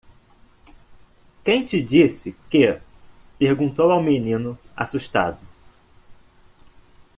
"Quem te disse que?" perguntou ao menino? assustado.